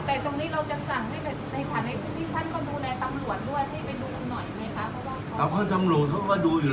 แต่ตรงนี้เราจะสั่งที่ท่านเขาดูแลตำรวจด้วยให้ไปดูหน่อยไหมคะ